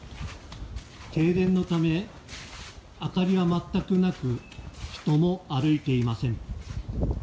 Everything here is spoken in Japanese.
停電のため、明かりは全くなく人も歩いていません。